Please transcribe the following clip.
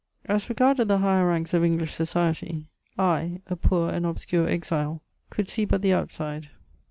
As regarded the higher ranks of English society, I, a poor and obscure exile, could see but the outside.